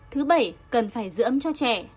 thứ bảy cần phải giữ ấm cho trẻ